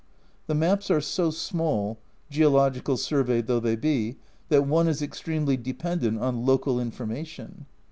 The maps are so small (Geol. Survey though they be) that one is extremely dependent on local information.